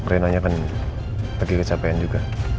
renanya kan lagi kecapean juga